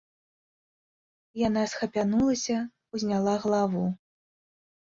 Яна схапянулася, узняла галаву.